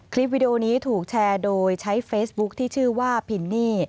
วิดีโอนี้ถูกแชร์โดยใช้เฟซบุ๊คที่ชื่อว่าพินนี่